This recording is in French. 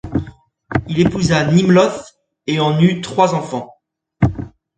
Il épousa Nimloth et en eut trois enfants.